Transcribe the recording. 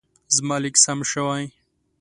زما لیک سم شوی.